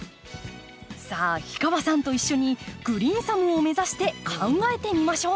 さあ氷川さんと一緒にグリーンサムを目指して考えてみましょう。